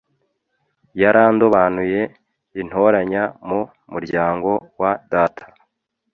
Yarandobanuye intoranya mu muryango wa data